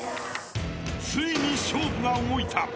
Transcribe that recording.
［ついに勝負が動いた］